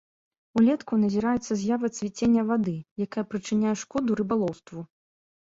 Улетку назіраецца з'ява цвіцення вады, якая прычыняе шкоду рыбалоўству.